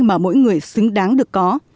mà mỗi người xứng đáng được có